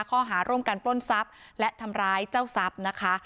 ข้อหาร่วมกันปล้นทรัพย์และทำร้ายเจ้าทรัพย์นะคะ